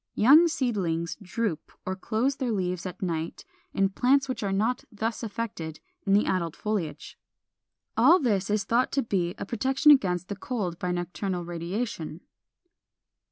Young seedlings droop or close their leaves at night in plants which are not thus affected in the adult foliage. All this is thought to be a protection against the cold by nocturnal radiation.